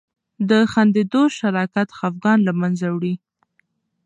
د خندیدو شراکت خفګان له منځه وړي.